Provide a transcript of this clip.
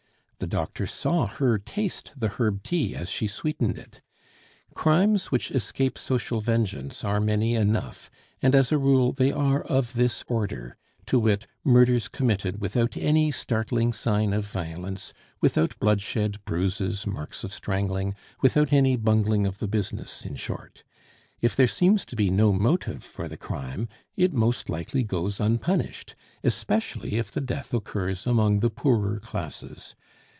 the doctor saw her taste the herb tea as she sweetened it. Crimes which escape social vengeance are many enough, and as a rule they are of this order to wit, murders committed without any startling sign of violence, without bloodshed, bruises, marks of strangling, without any bungling of the business, in short; if there seems to be no motive for the crime, it most likely goes unpunished, especially if the death occurs among the poorer classes.